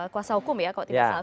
kuasa hukum ya kalau tidak salah